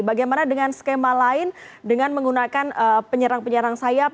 bagaimana dengan skema lain dengan menggunakan penyerang penyerang sayap